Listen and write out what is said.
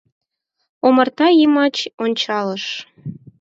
Омарта йымач ончалеш.